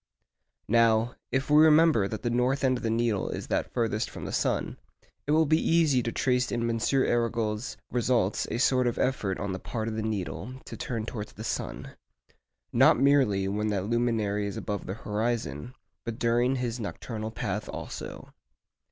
Now, if we remember that the north end of the needle is that farthest from the sun, it will be easy to trace in M. Arago's results a sort of effort on the part of the needle to turn towards the sun—not merely when that luminary is above the horizon, but during his nocturnal path also.